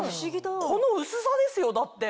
この薄さですよだって。